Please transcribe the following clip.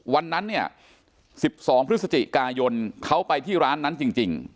วันนั้นเนี้ยสิบสองพฤษจิกายนเขาไปที่ร้านนั้นจริงจริง